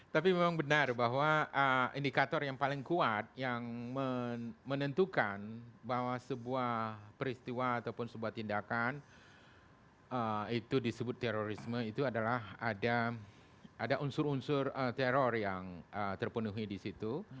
tapi memang benar bahwa indikator yang paling kuat yang menentukan bahwa sebuah peristiwa ataupun sebuah tindakan itu disebut terorisme itu adalah ada unsur unsur teror yang terpenuhi di situ